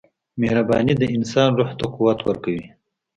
• مهرباني د انسان روح ته قوت ورکوي.